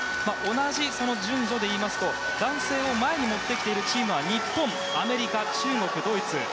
同じ順序でいいますと男性を前に持ってきているチームは日本、アメリカ、中国、ドイツ。